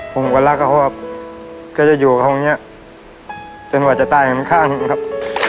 ผมก็รักเขาครับก็จะอยู่กับเขาอย่างนี้จนว่าจะตายข้างครับ